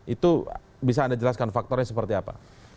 itu bisa anda jelaskan faktornya seperti apa